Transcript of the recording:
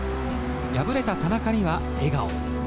敗れた田中には笑顔。